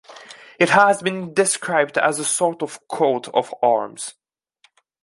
It has been described as a sort of Coat of Arms.